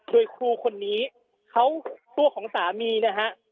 โดยครูคนนี้เขาตัวของสามีนะฮะ